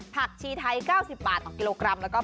ผักชีไท๙๐บาทต่อกิโลกรัม